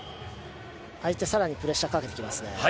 相手さらにプレッシャーかけてきますね。